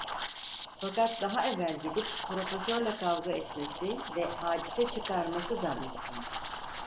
Fakat daha evvel gidip Profesörle kavga etmesi ve hadise çıkarması da mümkündü.